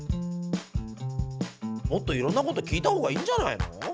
もっといろんなこと聞いたほうがいいんじゃないの？